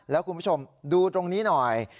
แล้วคุณผู้ชมดูตรงนี้หน่อย